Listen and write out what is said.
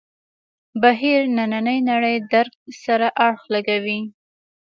بهیر نننۍ نړۍ درک سره اړخ لګوي.